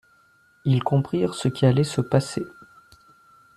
Ils comprirent ce qui allait se passer.